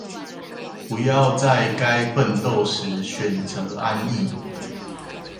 不要在該奮鬥時選擇安逸